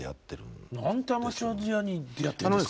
なんでアマチュア時代に出会っているんですか？